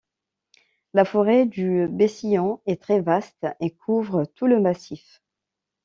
La forêt du Bessillon est très vaste et couvre tout le massif.